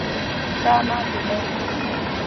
ښه عمل دلاري مل